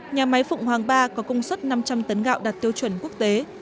nhà máy phụng hoàng ba có công suất năm trăm linh tấn gạo đạt tiêu chuẩn quốc tế